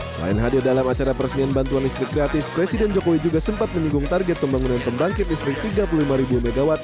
selain hadir dalam acara peresmian bantuan listrik gratis presiden jokowi juga sempat menyinggung target pembangunan pembangkit listrik tiga puluh lima mw